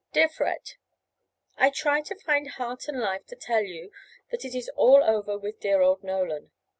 DEAR FRED: I try to find heart and life to tell you that it is all over with dear old Nolan.